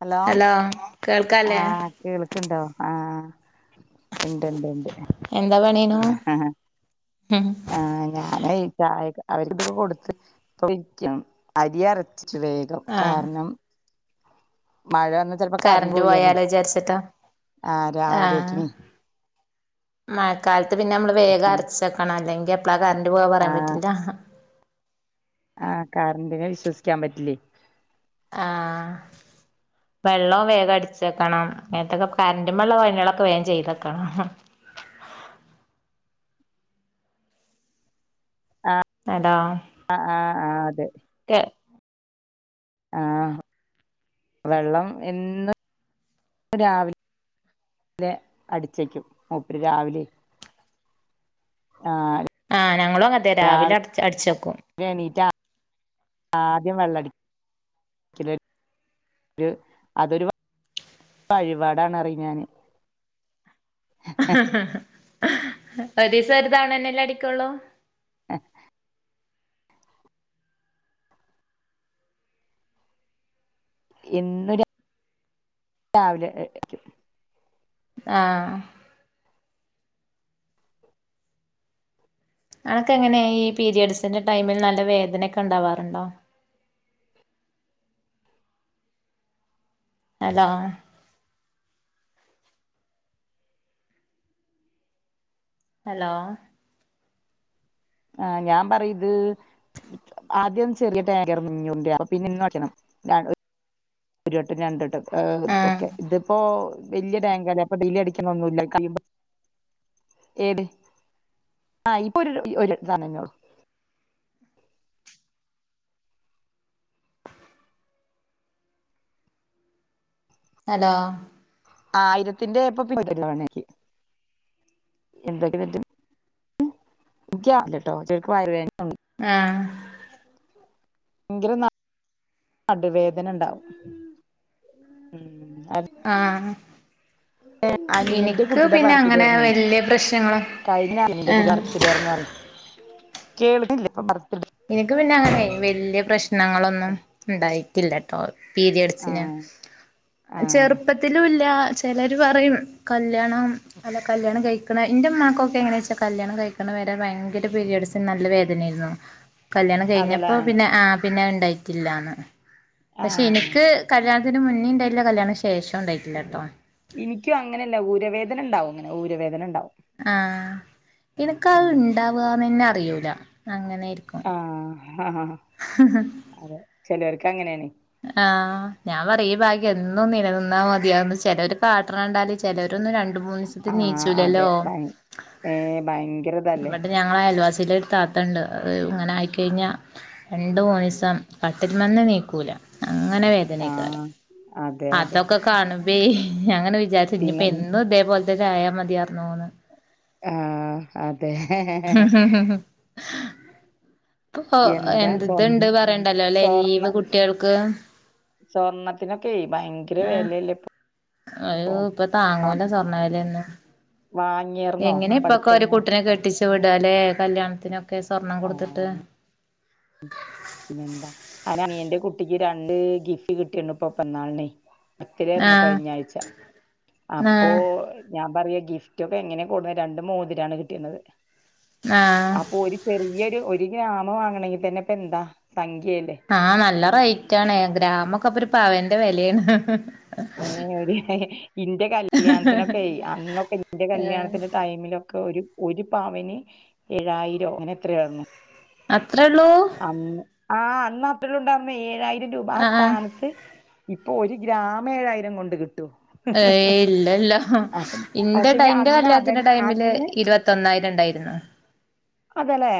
Hello കേൾക്കാല്ലേ ആഹ് കേൾക്ക്ണ്ടോ ആഹ് ഇണ്ട് ഇണ്ട് ഇണ്ട് എന്താ പണീനു അഹാ ആഹ് ഞാനെയ് ചായ അവരിക്ക് ഇതൊക്കെ കൊടുത്ത് ഇപ്പൊ ഇരിക്കാണ് ഇപ്പൊ അരി അരച്ച് ച്ചു വേഗം ആഹ് കാരണം മഴ വന്ന് ചെലപ്പോ കറണ്ട് കറന്റ് പോയാലേ പോയാലോ വിചാരിച്ചിട്ടാ ആഹ് ആഹ് രാവിലേക്ക്നി മഴക്കാലത്ത് പിന്നെ നമ്മള് വേഗം ആഹ് അരച്ചെക്കണം അല്ലെങ്കി എപ്പളാ കറണ്ട് പോവാ പറയാൻ ആഹ് പറ്റില്ല ആഹ് കറന്റിെനെ വിശ്വസിക്കാൻ പറ്റില്ലേ ആഹ് വെള്ളം വേഗം അടിച്ച് വെക്കണം അങ്ങനത്തൊക്കെ കറന്റ്മ്മള്ള പണികളൊക്കെ വേഗം ചെയ്ത് വെക്കണം ആഹ് അതാ ആഹ് ആഹ് അതെ കെ ആഹ് വെള്ളം എന്നും രാവിലെ വിലെ അടിച്ചേക്കും മൂപ്പര് രാവിലെയ് ആഹ് ആഹ് ഞങ്ങളും അങ്ങൻ തന്നെ രാവിലെ അട് അടിച്ചെക്കും എണീറ്റാ ആദ്യം വെള്ളംടിക്ക്‌ ക്കലും [unintelligible] അതൊരു വഴിപാടാണ് പറയും ഞാന് ഉ ഒരു ദിവസം ഒരു തവണ തന്നെല്ലേ അടിക്കോള്ളൂ ആഹ് എന്നും രാവിലെ [unintelligible] ആഹ് ഇങ്ങൾക്ക് എങ്ങനെയാ ഈ പീരിയഡ്സിന്റെ ടൈമിൽ നല്ല വേദനയൊക്കെ ഇണ്ടാവാറുണ്ടോ? ഹലോ ഹലോ ആഹ് ഞാൻ പറയുത് ആദ്യം ചെറിയ [unintelligible] ഒരു വട്ടം രണ്ടട്ടം ഏഹ് ആഹ് ഒക്കെ ഇതിപ്പോ വല്യ ടാങ്കല്ലേ അപ്പ ഡിലെ അടിക്കുന്ന ഒന്നും ഇല്ല [unintelligible] ഏട് ആഹ് ഇപ്പൊ ഒര് ഒര് സമ്മന്നെ ഒള്ളൂ ഹലോ ആയിരത്തിന്റെ [unintelligible] [unintelligible] ആഹ് ഭയങ്കര നടുവേദന ഉണ്ടാവും [inaudible] ആഹ് അനിയന്റെ എനിക്ക് കുട്ടിയുടെ പിന്നെ അങ്ങനെ ബർത്തഡേരുന്ന് വല്യ പ്രശ്നങ്ങള് കഴിഞ്ഞ ആഹ് [unintelligible] കേൾക്കാണില്ല ഇപ്പ പറഞ്ഞത് എനിക്ക് പിന്നെ അങ്ങനെ വലിയ പ്രശ്നങ്ങളൊന്നും ഉണ്ടായി ഇല്ല ട്ടോ ആ പീരിയഡ്‌സിന് ആ ചെറുപ്പത്തിലൂയില്ല ചെലര് പറയും കല്യാണം- അതെ കല്യാണം കഴിക്കണം എന്റെ ഉമ്മാക്കൊക്കെ എങ്ങനെയ വെച്ചാ കല്യാണം കഴിക്കണം വരെ ഭയങ്കര പിരിയഡ്സിന് നല്ല വേദനയായിരുന്നു കല്ല്യാണം അതല്ലേ കഴിഞ്ഞപ്പോ പിന്നെ ആ പിന്നെ ഉണ്ടായിട്ടില്ലാന്ന് പക്ഷെ ആ എനിക്ക് കല്യാ എനിക്ക് ഇതിന് മുന്നേ ഉണ്ടായിട്ടല്ല കല്യാണം ശേഷം ഉണ്ടായിട്ടില്ല കേട്ടോ എനിക്കും അങ്ങനെയല്ല ഊര് വേദന ഉണ്ടാവും ഊര് വേദന ഉണ്ടാവും ആഹ് എനക്ക് അത് ഉം ഇണ്ടാവുകന്ന്ന്നെ അറിയൂല അങ്ങനെയിരിക്കും ആഹ് ആഹാ ഹ അതെ ചെലവർക്ക് അങ്ങനെയാണ് ആഹ് ഞാൻ പറയും ഈ ഭാഗ്യം എന്നും നിലനിന്നാ മതിയാന്ന് ചെലര് കാട്ടണ കണ്ടാല്- ചെലരൊന്നും രണ്ട് മൂന്ന് ദിവസത്തി ആഹ് നീയിച്ചൂലല്ലോ അതെ ഭയ ഏഹ് ഭയങ്കരതല്ലേ [unintelligible] ഞങ്ങള അയൽവാസിയിലെ ഒരു താത്തയുണ്ട് അത് ഇങ്ങനെ ആയിക്കഴിഞ്ഞാ- രണ്ടു [unintelligible] കട്ടിൽമന്ന്നീക്കൂല അങ്ങനെ വേദന ആഹ് [unintelligible] അതെ അതെ അതൊക്കെ കാണുമ്പേ ഞാനങ്ങനെ വിചാരിച്ചു ഇപ്പ പിന്നെ എന്നും ഇതേ പോലത്തെയായ മതിയാർന്നുന്ന് ആഹ് അതെ [unintelligible] ഇപ്പൊ എന്താ സ്വർ എന്തുണ്ട് പറയണ്ടല്ലോ ലീവ് കുട്ടികൾക്ക് സ്വർണ്ണത്തിനൊക്കെയെ ഭയങ്കര വെല അല്ലേ ഇപ്പൊ അയ്യോ ഇപ്പൊ താങ്ങൂല സ്വർണ്ണവില ഒന്നും വാങ്ങിയർന്നോ എങ്ങനെ ഇപ്പൊക്കെ ഒരു പഠിത്തന്ന് കുട്ടിനെ കെട്ടി ട്ടിച്ചു വിടാല്ലേ കല്യാണത്തിനൊക്കെ സ്വർണം കൊടുത്തിട്ട് ആഹ് [unintelligible] അനിയന്റെ കുട്ടിക്ക് രണ്ട് ഗിഫ്റ്റ് കിട്ടിയാരുന്നു ഇപ്പൊ പെറന്നാളിനെ ബർത്തഡേ ആരുന്നു ആഹ് കഴിഞ്ഞ ആഴ്ച ആഹ് അപ്പോ- ഞാൻ പറയാ ഗിഫ്റ്റ് ഒക്കെ എങ്ങനെയ കൂടുന്നത് രണ്ട് മോതിരാണ് കിട്ടിയുന്നത് ആഹ് അപ്പൊ ഒരു- ചെറിയൊരു ഒരു ഗ്രാമ് വാങ്ങണെങ്കിൽ തന്നെ ഇപ്പ എന്താ സംഖ്യല്ലേ ആഹ് നല്ല റേറ്റ് ആണ് ഗ്രാമൊക്കെ അപ്പൊ ഒരു പവന്റെ വെലയാണ് ഇന്റെ കല്യാണത്തിനൊക്കെ അന്നൊക്കെ ഇന്റെ കല്യാണത്തിന്റെ ടൈമിലൊക്കെ- ഒരു ഒരു പവന് ഏഴായിരം അങ്ങനെ എത്ര വരണു അത്രേയുള്ളൂ അന്ന് ആഹ് അന്ന് അത്രേയുണ്ടായിരുന്ന ഏഴായിരം രൂപ ആ ആഹ് സ്ഥാനത്ത് ഇപ്പൊ ഒരു ഗ്രാമ് ഏഴായിരം കൊണ്ട് കിട്ടും ഏയ് ഇല്ലല്ലോ ഇന്റെ [unintelligible] പക്ഷെങ്കി അന്ന് അതൻ കല്യാണത്തിന്റെ ടൈമില് അന്ന് ഇരുപത്തിന്നായിരം ഉണ്ടായിരുന്നു അതെയില്ലെ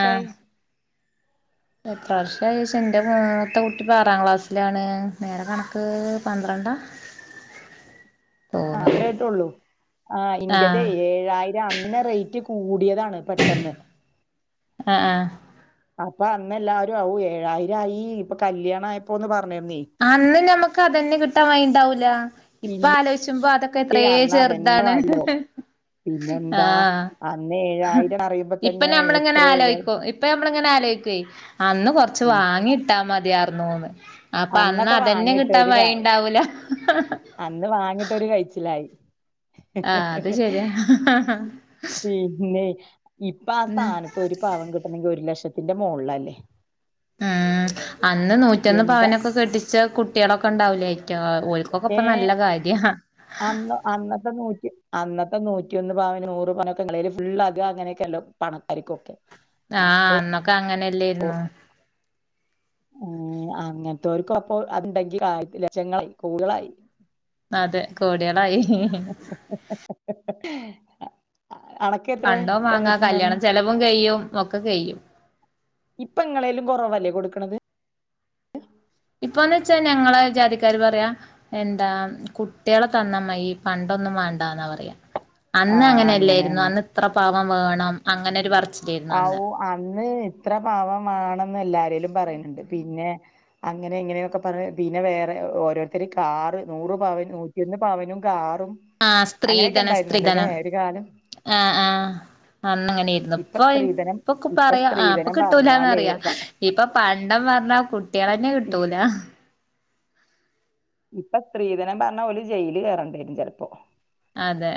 ആഹ് എത്ര വർഷയി ചോയ്ച്ച, എന്റെ മൂത്ത കുട്ടി ഇപ്പോ ആറാം ക്ലാസ്സിലാണ്. നേരെ കണക്ക്. പന്ത്രണ്ട ആഹ്, അത്ര ആയിട്ടള്ളൂ. ആഹ്, ഇന്റ തേ ഏഴായിര. അങ്ങന റേറ്റ് കൂടിയതാണ് പെട്ടെന്ന്. ആഹ്, ആഹ് അപ്പ അന്ന് എല്ലാവാരും ആവു ഏഴായിരയി ഇപ്പൊ കല്യാണ ആയ.. പ്പോന്ന് പറഞ്ഞിരുന്നയ്. അന്ന് നമ്മക്ക് അത ന്നെ കിട്ടാൻ വഴിണ്ടാവൂല, ഇപ്പൊ ആലോചിച്ചുമ്പോ അതൊക്കെ. എത്രേ ഏയ് അന്ന് അതന്നെ ചെറുതാണ്. വഴിലോ പിന്നെന്താ ആഹ്, അന്ന് ഏഴായിരം അറിയുമ്പോ ഇപ്പൊ തന്നെ നമ്മള്ങ്ങനെ എത്ര ഏഴാ ആലോയിക്കും. ഇപ്പ നമ്മള്ങ്ങനെ ആലോചിക്കും അന്ന് കൊറച്ച് ഉം വാങ്ങി ഇട്ടാ മതിയർ ന്നുന്ന്. അപ്പൊ അന്ന് അന്നൊക്കെ അതന്നെ വാങ്ങിട്ട് കിട്ടാൻ ഒരു കായ് വഴിണ്ടാവൂല. അന്ന് വാങ്ങിട്ടൊരു കഴിച്ചിലായി. ആഹ് അത് ശരിയാ പിന്നയ് ഇപ്പ ആഹ്, സ്ഥാനത്ത് ഒരു പവൻ കിട്ടണെങ്കി, ഒരു ലക്ഷത്തിന്റെ മുകളില ല്ലേ? ഉം, അന്ന് നൂറ്റൊന്ന് പവനൊക്കെ കെട്ടിച്ച കുട്ടികളൊക്കെ ഉണ്ടാവൂലേ യ്റ്റ. ഏ അന്നോ. അന്നത്തെ നൂറ്റി, അന്നത്തെ നൂറ്റി ഒന്ന് പവന് നൂറ് പവനൊക്കെ ങ്ങളില് ഫുൾ അത്. അങ്ങനെയൊക്കെല്ലോ പണക്കാ രിക്കു ഒക്കെ ആഹ്, അന്നൊക്കെ അങ്ങനെല്ലേരുന്നു. അങ്ങനത്തെവർക്കും അപ്പൊ അതുണ്ടെങ്കി ലക്ഷങ്ങളായി കൂളായി. അതെ കോടികളായി. [inaudible] അനക്കെത്രേ പണ്ടോ വാങ്ങാം, തന്നിട്ടുണ്ടാർന്ന് കല്യാണചെലവും കഴി യ്യും, ഒക്കെ കഴിയ്യും. ഇപ്പ ഇങ്ങളേലും കുറവല്ലെ കൊടുക്കണത്. ഇപ്പൊ, ന്ന് വെച്ചാ ഞങ്ങളെ ജാതിക്കാര് പറയാ. എന്താ, കുട്ടികളെ തന്ന മതി. പണ്ടൊന്നും വേണ്ടന്നാ പറയാ. ആ അന്ന് അങ്ങനെ അങ്ങനെയല്ലായിരുന്നു, അങ്ങനെ അന്ന് ഇത്ര പവം വേണം, അങ്ങനെരു പറർച്. ഔ, അന്ന് ഇത്ര പാവമാണെന്ന് എല്ലാരേലും പറയുന്നുണ്ട്. പിന്നെ. അങ്ങനെ, ഇങ്ങനെ യൊക്കെ പറഞ്ഞ്. പിന്നെ, വേറെ ഓരോരുത്തർ കാറ്, നൂറ് പവൻ നൂറ്റൊ ന്ന് പവനും കാറും. ആഹ്, അങ്ങനെയൊക്കെ സ്ത്രീധനം, ഉണ്ടായിരുന്നല്ലോ അല്ലേ സ്ത്രീധനം. ഒരു കാലം ആഹ്, ആഹ് അന്നങ്ങനെയിരുന്നു. ഇപ്പൊ. ഉം, സ്ത്രീധനം ഇപ്പൊ ക്കെ പറയാ, ആഹ് ഇപ്പൊ സ്ത്രീധനം കിട്ടൂലാ ന്ന് പറഞ്ഞാല് അറിയ. പ- ഇപ്പൊ, പണ്ടം പറഞ്ഞാ, കുട്ടികള തന്നെ ഇ കിട്ടൂല. ഇപ്പൊ, സ്ത്രീധനം പറഞ്ഞാ, ഓല് ജയില് കയറണ്ടരും ചിലപ്പോ? അതെ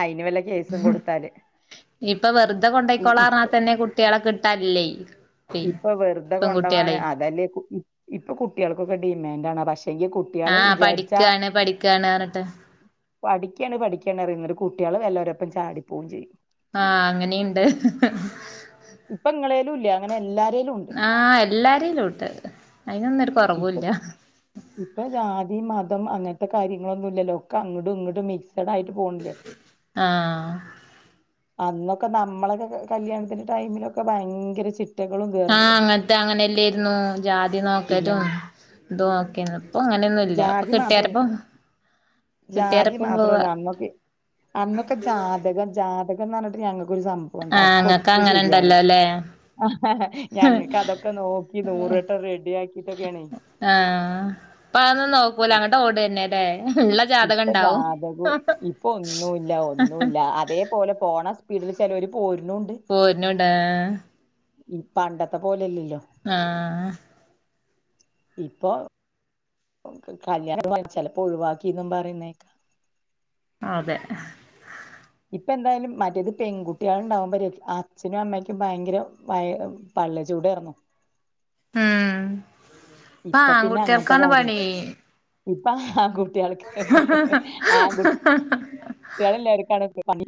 അതിന് വല്ല. കേസും കൊടുത്താല് ഇപ്പൊ, വെറുതെ കൊണ്ടോയി ഇ ക്കോളാ പറഞ്ഞാൽ ഇപ്പൊ തന്നെ, കുട്ടികളെ കിട്ടാനില്ല. ഇപ്പൊ, വെറുതെ കൊണ്ടോ വാൻ അതല്ലേ, ഇപ്പൊ കുട്ടികൾ ക്കൊക്കെ ഡിമാൻഡ് ആണ്. പക്ഷെ ങ്കി. കു ആഹ്, പഠിക്കണ്, പഠിക്കണ് പറഞ്ഞിട്ട്. പഠിക്കണ് പഠിക്കണ് പറയും. എന്നിട്ട് കുട്ടികള് വല്ലോരോപ്പം ചാടിപ്പോകയും ചെയ്യും. ആഹ്, അങ്ങനെ ഉണ്ട്. ഇപ്പ, ഇങ്ങളേലും ഇല്ല. അങ്ങന എല്ലാവ രിലും ഉണ്ട്. ആഹ്, എല്ലാ രേലും ഉണ്ട്. അതിനൊന്നര്. ഇപ്പോൾ, അത്‌.. ഇപ്പൊ ജാതി മതം അങ്ങനത്തെ കാര്യങ്ങളൊന്നും ഇല്ലല്ലോ ഒക്കെ അങ്ങോടും ഇങ്ങോടും മിക്സ് മിക്സ്ടായിട്ട് പോണില്ലേ ആഹ് അന്നൊക്കെ നമ്മളൊക്കെ കല്യാണത്തിന്റെ ടൈമിലൊക്കെ ഭയങ്കര ചി ആഹ് അങ്ങനത്തെ അങ്ങനെയല്ലായിരുന്നു ജാതി നോ പിന്നെ നോക്കലും തൊക്കെ ഇപ്പൊ അങ്ങനെയൊന്നും ഇല്ല ഇപ്പൊ ജാതി മാത്രം കിട്ടിയാരപ്പൊ ജാതി മാത്രല്ല അന്നൊക്കെ അന്നൊക്കെ ജാതകം ജാതകംന്ന് പറഞ്ഞിട്ട് ഞങ്ങൾക്കൊരു സംഭം ആഹ് ഇങ്ങക്ക് അങ്ങനെ ഉണ്ടല്ലോല്ലേ ആഹ് ഞങ്ങൾക്ക് അതൊക്കെ നോക്കി നൂറ് വെട്ടം റെഡിയാക്കിട്ടൊക്കെയാണെ ആഹ് ഇപ്പ അതൊന്നും നോക്കൂല അങ്ങട്ട് ഓടെന്നെ ല്ലേഉള്ള ഇപ്പൊ ജാതകും ഇപ്പൊ ഒന്നുമല്ല ഒന്നുമല്ല അതേപോലെ പോണ വീട്ടില് ചെലോര് പോരുന്നുണ്ട് പോരന്നുണ്ട് ആഹ് ഉം പണ്ടത്തെ പോലെല്ലല്ലോ ആഹ് ഇപ്പൊ കല്യാണം കഴിച്ചല്ലെ ഇപ്പൊ ഒഴിവാക്കിന്നും പറയുന്നേക്കാ അതെ ഇപ്പ എന്തായാലും മറ്റേത് പെൺകുട്ടികള്ണ്ടാവുമ്പോ ഒരു അച്ഛനും അമ്മക്കും ഭയങ്കരയ പള്ള ചൂട് ഏർന്നു ഉം ഇപ്പൊ പിന്നെ അങ്ങനത്തെ കാര്യം ഉം. ഇപ്പ ആൺകുട്ടികൾക്ക് ആൺകുട്ടി ആ ആഹ ആ കുട്ടിയാള് ഉള്ളോര്ക്കാണ് ഇപ്പോപണി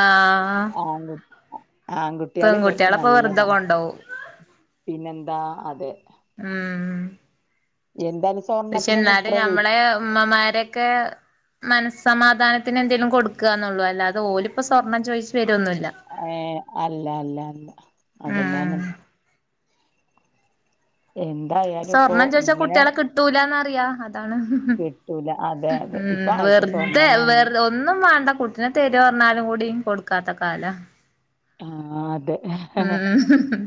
ആഹ് ആൺകു ആൺകുട്ടിയാള് ഇല്ലോർക്കും പെൺകുട്ടികളെപ്പൊ വെറുതെ നല്ലതാണ് കൊണ്ടോവും പിന്നെന്താ അതെ ആഹ് എന്താണ് പക്ഷെ എന്നാലും ഞമ്മളെ ഉമ്മമാരൊക്കെ മനസ്സമാധാനത്തിന് എന്തെങ്കലും കൊടുക്കാന്നുള്ളൂ അല്ലാതെ ഓലിപ്പൊ സ്വർണ്ണം ചോദിച്ച് വെരുന്നുല്ല ഏഹ അല്ല അല്ല അല്ല അതെന്നെയാണ് ഉം എന്തായാലും ഇപ്പോ സ്വർണം ചോദിച്ചാൽ ഇങ്ങനെ കുട്ടികളെ കിട്ടൂലന്നറിയാ കിട്ടൂല അതെ അതെ ഇപ്പൊ ഉം ആർക്കും വെുതെ സ്വർണം വെ വേണം ഒന്നും വേണ്ട കുട്ടിനെ തെരോ പറഞ്ഞാലും കൂടി കൊടുക്കാത്ത കാലാ ആഹ് അതെ ഉം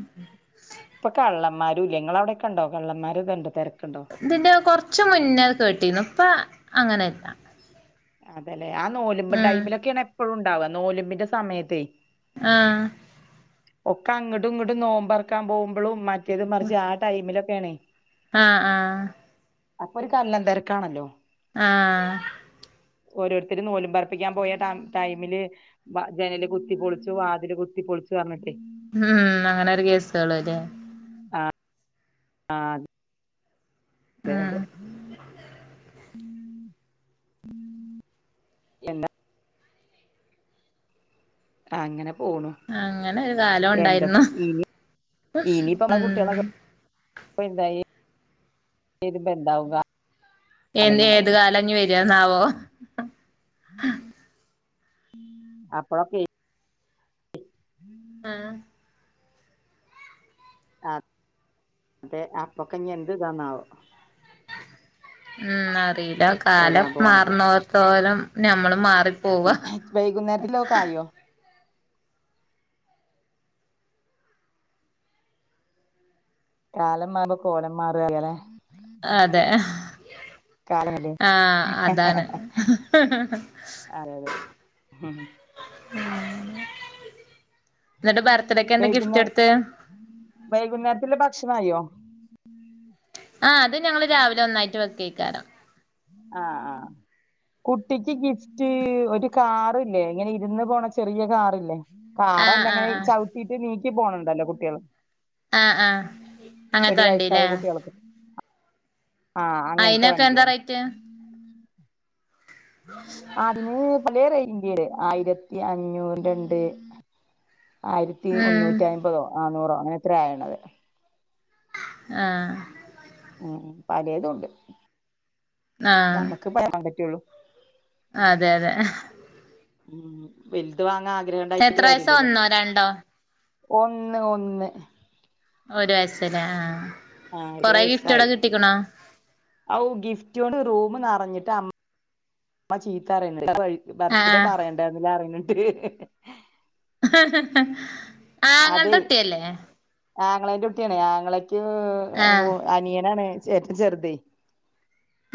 ഇപ്പൊ കള്ളന്മാരും ഇല്ല നിങ്ങ അവിടൊക്കെ ഉണ്ടോ കള്ളന്മാർ ഇതുണ്ട് തിരക്കുണ്ടോ ഇതിന്റെ കൊറച്ച് മുന്നേ കേട്ടിരുന്നു ഇപ്പ അങ്ങനെല്ല അതല്ലെ ആ നോലുമ്പ് ഉം ഡൈമിലൊക്കെയാണ് എപ്പഴും ഉണ്ടാവുക നോലുമ്പിന്റെ സമയത്തേ ആഹ് ഒക്കെ അങ്ങട്ടും ഇങ്ങോട്ടും നോമ്പറക്കാൻ പോകുമ്പോളും മറ്റേത് മറിച്ച് ആ ടൈമിലൊക്കെയാണേ ആഹ് ആഹ് അപ്പൊ ഒരു കള്ളൻ തെരക്കാണല്ലോ ആഹ് ഓരോരുത്തരും നോലും പറപ്പിക്കാൻ പോയ ടൈമില് ജനല് കുത്തി പൊളിച്ചു വാതില് കുത്തി പൊളിച്ചു അറഞ്ഞിട്ടേ. ഉം ഉം ഉം അങ്ങനെ ഒരു കേസള് ലെ. ആഹ്. അത്. അതെ ഉം അതെ. എന്ത. അങ്ങനെ പോണു. അങ്ങനെ ഒരു കാലം ഉണ്ടായിരുന്നു എന്തൊക്കെ ഇനി ഉം. പ്പന്തായി. തീരുപ്പെ ന്താവുക. എന്റെ ഏത് കാലാഞ്ഞി വരാ എന്നാവോ. അപ്പൊളൊക്കെ. ആഹ് അതെ അപ്പൊക്കെ ഞ്ഞി എന്ത് ഇതന്നാവോ. ഉം അറീല്ല കാലം വരാൻ പോണത് മാറ്ന്നോത്തോലം ഞമ്മളും മാറി വൈകുന്നേരത്തിലോക്കെ ആയോ. കാലം മാറുമ്പം കോലം മാറാ അറിയാലെ. അതെ കാലമല്ലേ ആഹ് അതാണ്. അതെ അതെ ഇന്നട്ട് ബർത്ത്ഡേക്ക് എന്താ ഗിഫ്റ്റ് കൊടുത്തെ. വൈകുന്നേരത്തില് ഭക്ഷണായോ. ആ അത് ഞങ്ങള് രാവിലെ ഒന്നായിട്ട് വെക്കേക്കാരം. ആഹ് ആഹ്. കുട്ടിക്ക് ഗിഫ്റ്റ് ഒരു കാറ്ല്ലേ ഇങ്ങനെ ഇരുന്ന് പോണ ചെറിയ കാറ്ല്ലേ. കാറല്ല ആഹ് ആഹ് ഇങ്ങനെ ആഹ് ചവിട്ടിട്ട് നീക്കി പോണണ്ടല്ലോ കുട്ട്യള് ആഹ് ആഹ് ഒരു അങ്ങനത്തെ വയസായ വണ്ടില്ലേ കുട്ട്യള്ക്ക്. ആഹ് അങ്ങനത്തെ അയിനൊക്കെ എന്താ വണ്ടിയാണ്. റേറ്റ് ആഹ് അതിന് പലേ റൈഞ്ച്ലെ ആയിരത്തി അഞ്ഞൂറ്ന്റെണ്ട്. ആയിരത്തി ഉം മുന്നൂറ്റി അയ്മ്പതോ നാന്നൂറോ അങ്ങനെ എത്ര ആയണത്. ആഹ് ഉം ഉം പലേതുണ്ട് നമ്മക്ക് പറയാൻ പറ്റേള്ളൂ. അഹ് അതെ അതെ. ഉം ഉം ഉം വലുത് വാങ്ങാൻ ആഗ്രഹണ്ടായിട്ട്ട്ട് എത്ര വയസാ കാര്യല്ലല്ലോ. ഒന്നോ രണ്ടോ ഒന്ന് ഒന്ന്. ഒരു വയസല്ലേ ആഹ് അഹ് ആഹ് ഒരു കൊറേ വയസ്സായി ഗിഫ്റ്റള് കിട്ടിക്ക്ണോ. ഔ ഗിഫ്റ്റ് കൊണ്ട് റൂമ് നറഞ്ഞിട്ട് അം മ്മ ചീത്തറിയിണ്ട്. ബർത്ത്ഡേ ആഹ് പറയണ്ടാർന്ന് ഞാഅറിയിന്ന്ണ്ട്. ആങ്ങളുടെ അതെ കുട്ടിയല്ലേ ആങ്ങളേൻ്റെ കുട്ടിയാണ് ആങ്ങളക്ക്. ആഹ് അനിയനാണ് ഏറ്റവും ചെറുത്.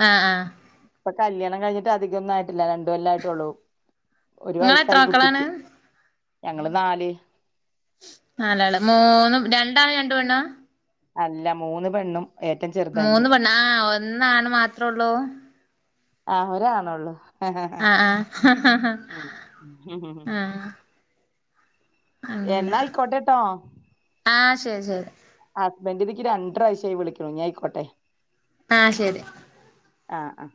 ആഹ് ആഹ്. ഇപ്പം കല്യാണം കഴിഞ്ഞിട്ട് അധികൊന്നും ആയിട്ടില്ല രണ്ട് കൊല്ലം ആയിട്ടുള്ളൂ. ഒരു നിങ്ങള് എത്ര വയസായി മക്കളാണ് കുട്ടിയ്ക്ക് ഞങ്ങള് നാല്. നാലാള് മൂന്നും രണ്ടാണ് രണ്ട് പെണ്ണാ. അല്ല മൂന്ന് പെണ്ണും. ഏറ്റവും മൂന്ന് ചെറുതനിയൻ പെണ്ണ് ആഹ് ഒന്ന് ആണ് മാത്രുള്ളൂ. ആഹ് ഒരാണൊള്ളൂ. ആഹ് ആഹ് ആഹ് അങ്ങനെ എന്നാ ആയിക്കോട്ടെട്ടോ ആഹ് ശരി ശരി ഹസ്ബൻഡ് ഇനിക്ക് രണ്ട്രാശ്യായി വിളിക്കുണു ഇനി അയിക്കോട്ടെ ആഹ് ശരി ആഹ് ആഹ്